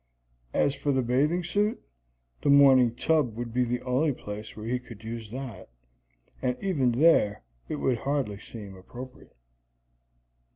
As for the bathing suit, the morning tub would be the only place where he could use that, and even there it would hardly seem appropriate.